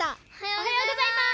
おはようございます！